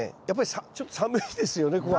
やっぱりちょっと寒いですよね